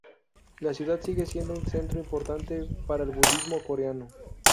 La ciudad sigue siendo un centro importante para el budismo coreano.